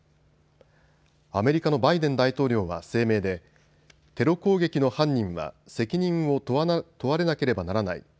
アメリカのバイデン大統領は声明でテロ攻撃の犯人は責任を問われなければならない。